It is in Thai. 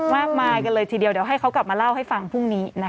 มากมายกันเลยทีเดียวเดี๋ยวให้เขากลับมาเล่าให้ฟังพรุ่งนี้นะคะ